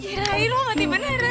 kirain lo mati beneran